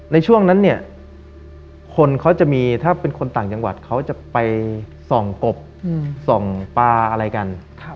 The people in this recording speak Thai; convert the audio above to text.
ในช่วงนั้นเนี่ยคนเขาจะมีถ้าเป็นคนต่างจังหวัดเขาจะไปส่องกบส่องปลาอะไรกัน